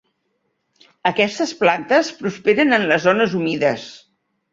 Aquestes plantes prosperen en les zones humides.